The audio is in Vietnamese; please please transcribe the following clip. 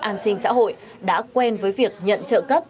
an sinh xã hội đã quen với việc nhận trợ cấp